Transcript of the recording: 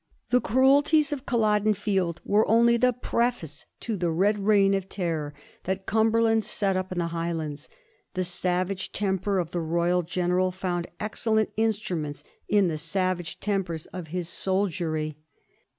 The cruelties of Culloden field were only the preface to the red reign of terror that Cumberland set up in the Highlands. The savage temper of the Royal general found excellent instruments in the savage tempers of his soldiery.